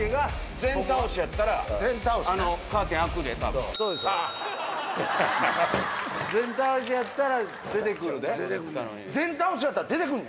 全倒しやったら出てくんねや。